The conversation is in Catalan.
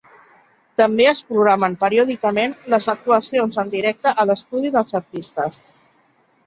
També es programen periòdicament les actuacions en directe a l'estudi dels artistes.